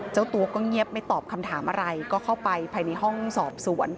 เจ้าตัวก็เงียบไม่ตอบคำถามอะไรก็เข้าไปภายในห้องสอบสวน